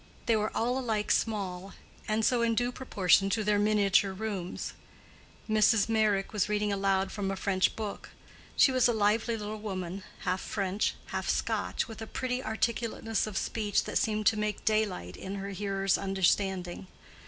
They were all alike small, and so in due proportion to their miniature rooms. Mrs. Meyrick was reading aloud from a French book; she was a lively little woman, half French, half Scotch, with a pretty articulateness of speech that seemed to make daylight in her hearer's understanding.